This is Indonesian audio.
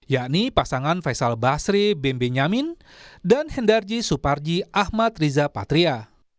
yakni pasangan faisal basri bembe nyamin dan hendarji suparji ahmad riza patria